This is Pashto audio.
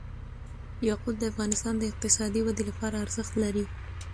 یاقوت د افغانستان د اقتصادي ودې لپاره ارزښت لري.